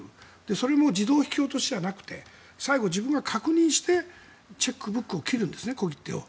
それも自動引き落としじゃなくて最後、自分が確認してチェックブックを切るんですね小切手を。